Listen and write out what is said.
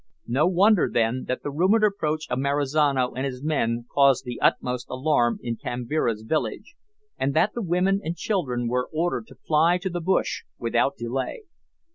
No wonder, then, that the rumoured approach of Marizano and his men caused the utmost alarm in Kambira's village, and that the women and children were ordered to fly to the bush without delay.